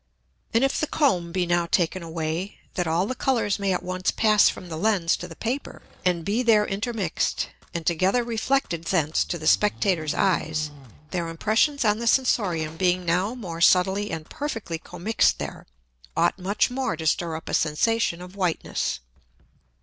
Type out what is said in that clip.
And if the Comb be now taken away, that all the Colours may at once pass from the Lens to the Paper, and be there intermixed, and together reflected thence to the Spectator's Eyes; their Impressions on the Sensorium being now more subtilly and perfectly commixed there, ought much more to stir up a Sensation of Whiteness.